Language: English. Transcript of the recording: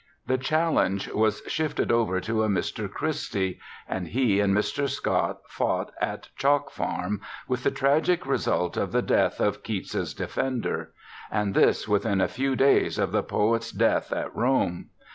The challenge was shifted over to a Mr. Christie, and he and Mr. Scott fought at Chalk Farm, with the tragic result of the death of Keats's defender, and this within a few days of the poet's death at Rome.